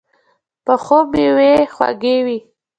پخو مېوې خواږه وي